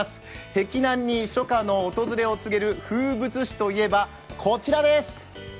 碧南に初夏の訪れを告げる風物詩といえば、こちらです。